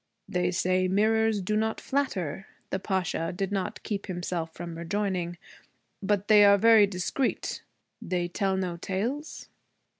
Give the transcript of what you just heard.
'They say mirrors do not flatter,' the Pasha did not keep himself from rejoining, 'but they are very discreet. They tell no tales?'